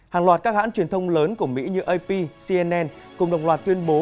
hàng loạt các hãng truyền thông lớn của mỹ như ap cnn cùng đồng loạt tuyên bố